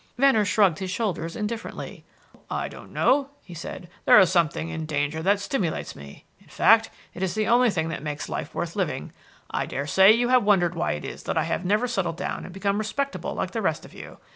Venner shrugged his shoulders indifferently. "I don't know," he said. "There is something in danger that stimulates me; in fact, it is the only thing that makes life worth living, I dare say you have wondered why it is that I have never settled down and become respectable like the rest of you.